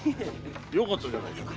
よかったじゃないか。